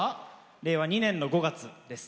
令和２年の５月です。